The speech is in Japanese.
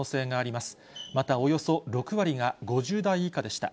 また、およそ６割が５０代以下でした。